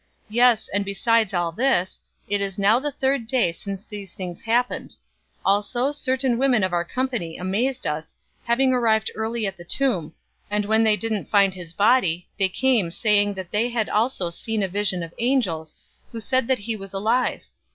Yes, and besides all this, it is now the third day since these things happened. 024:022 Also, certain women of our company amazed us, having arrived early at the tomb; 024:023 and when they didn't find his body, they came saying that they had also seen a vision of angels, who said that he was alive.